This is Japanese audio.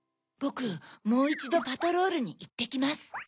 ぼくもういちどパトロールにいってきます。